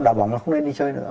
đào bóng là không nên đi chơi nữa